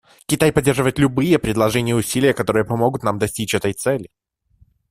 Китай поддерживает любые предложения и усилия, которые помогут нам достичь этой цели.